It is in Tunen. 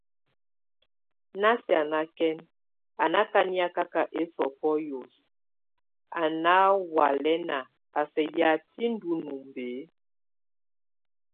Nasianakɛn, a nákaniakak esɔbɔ́ yɔ́s, a ná hɔalɛnak, a sɛk yatɛ́ ndunumb e?